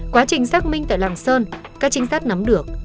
quá trình xác minh tại lạng sơn các trinh sát nắm được